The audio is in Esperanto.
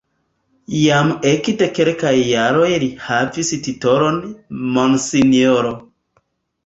Jam ekde kelkaj jaroj li havas titolon "Monsinjoro".